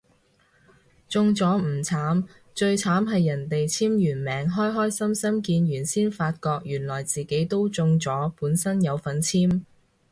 中咗唔慘，最慘係人哋簽完名開開心心見完先發覺原來自己都中咗本身有份簽